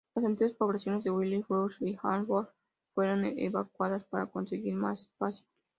Las antiguas poblaciones de White Bluffs y Hanford fueron evacuadas para conseguir más espacio.